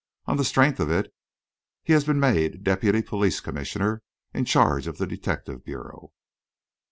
On the strength of it, he has been made deputy police commissioner, in charge of the detective bureau."